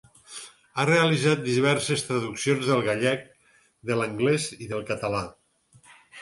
Ha realitzat diverses traduccions del gallec, de l'anglès i del català.